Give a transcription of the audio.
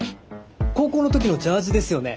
高校の時のジャージですよね？